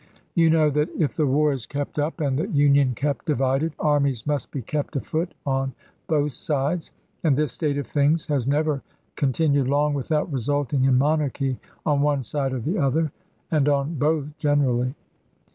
You know that if the war is kept up and the Union kept divided, armies must be kept afoot on both sides, and this state of things has never continued long without resulting in monarchy on one side or the other, and on both generally.'